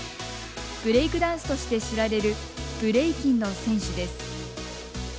ブレイクダンスとして知られるブレイキンの選手です。